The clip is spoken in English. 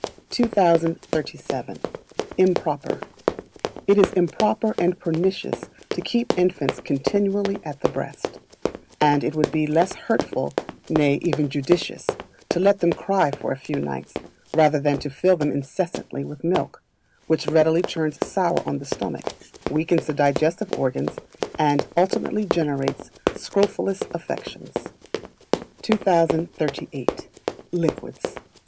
2037. Improper. It is improper and pernicious to keep infants continually at the breast; and it would be less hurtful, nay, even judicious, to let them cry for a few nights, rather than to fill them incessantly with milk, which readily turns sour on the stomach, weakens the digestive organs, and ultimately generates scrofulous affections. 2038. Liquids.